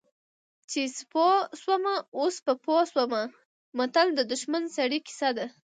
چې سیپو شومه اوس په پوه شومه متل د شتمن سړي کیسه ده